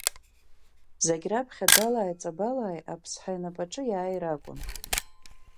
Зегь раԥхьа далааи ҵабалааи Аԥсҳа инапаҿы иааир акәын.